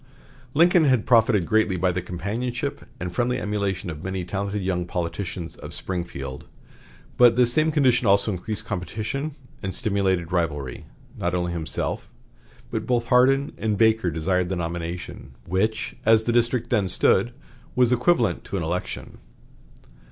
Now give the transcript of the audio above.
Lincoln had profited greatly by the companionship and friendly emulation of the many talented young politicians of Springfield, but this same condition also increased competition and stimulated rivalry. Not only himself, but both Hardin and Baker desired the nomination, which, as the district then stood, was equivalent to an election.